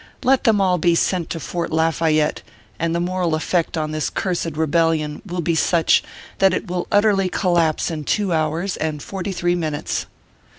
Let them all be sent to Fort Lafayette, and the moral effect on this cursed rebel lion will be such that it will utterly collapse in two hours and forty three minutes.